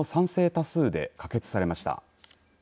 多数で可決されました。